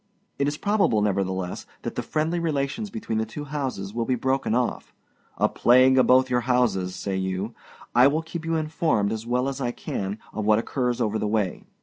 It is probable, nevertheless, that the friendly relations between the two houses will be broken off. âA plague oâ both your houses,â say you. I will keep you informed, as well as I can, of what occurs over the way.